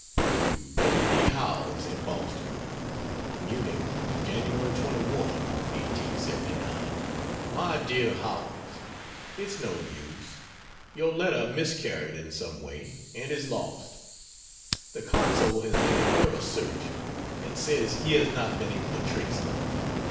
To W. D. Howells, in Boston: MUNICH, Jan. 21, (1879) MY DEAR HOWELLS, It's no use, your letter miscarried in some way and is lost. The consul has made a thorough search and says he has not been able to trace it.